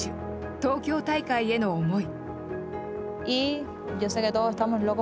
東京大会への思い。